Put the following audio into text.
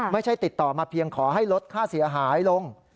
ไม่ใช่ติดต่อมาเพียงขอให้ลดค่าเสียหายลง